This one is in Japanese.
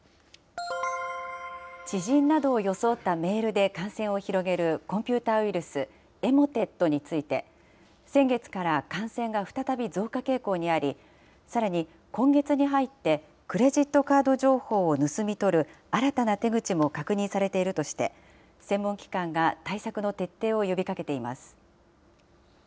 知人などを装ったメールで感染を広げるコンピューターウイルス、エモテットについて、先月から感染が再び増加傾向にあり、さらに、今月に入って、クレジットカード情報を盗み取る新たな手口も確認されているとして、専門機関が対策の徹底を呼びかけています。